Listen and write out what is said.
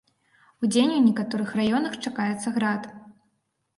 Удзень у некаторых раёнах чакаецца град.